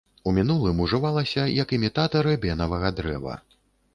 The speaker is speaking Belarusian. У мінулым ужывалася як імітатар эбенавага дрэва.